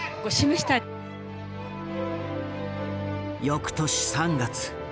翌年３月。